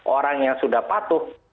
orang yang sudah patuh